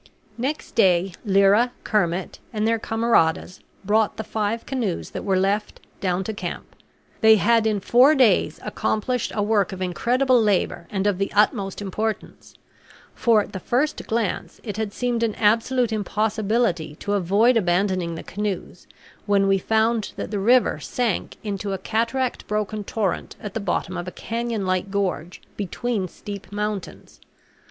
Next day Lyra, Kermit, and their camaradas brought the five canoes that were left down to camp. They had in four days accomplished a work of incredible labor and of the utmost importance; for at the first glance it had seemed an absolute impossibility to avoid abandoning the canoes when we found that the river sank into a cataract broken torrent at the bottom of a canyon like gorge between steep mountains.